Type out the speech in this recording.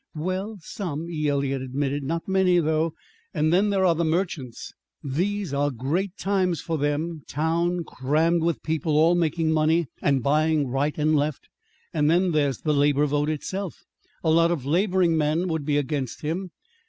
"Well, some," E. Eliot admitted. "Not many, though. And then there are the merchants. These are great times for them town crammed with people, all making money, and buying right and left. And then there's the labor vote itself! A lot of laboring men would be against him.